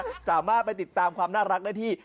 สามารถไปติดตามความน่ารักได้ที่